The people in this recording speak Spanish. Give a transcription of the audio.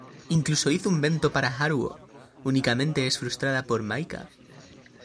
Incluso hizo un bento para Haruo, únicamente es frustrada por Maika.